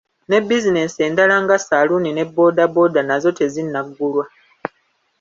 Ne bizinensi endala nga saluuni ne boda boda nazo tezinagulwa.